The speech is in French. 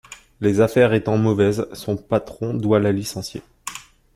Les affaires étant mauvaises, son patron doit la licencier.